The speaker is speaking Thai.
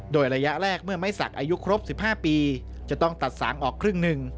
โดยระยะแรกเมื่อไม้สักอายุครบ๑๕ปีจะต้องตัดสางออกครึ่งหนึ่ง